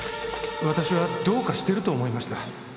「私はどうかしていると思いました」